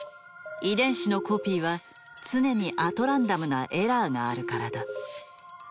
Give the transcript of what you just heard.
遺伝子のコピーは常にアトランダムなエラーがあるからだ。